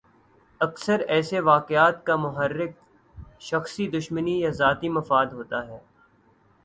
اکثر ایسے واقعات کا محرک شخصی دشمنی یا ذاتی مفاد ہوتا ہے۔